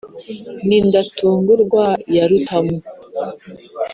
n'indatungurwa ya rutamu